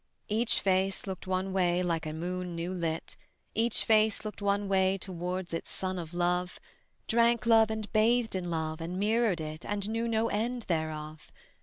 Each face looked one way like a moon new lit, Each face looked one way towards its Sun of Love; Drank love and bathed in love and mirrored it And knew no end thereof.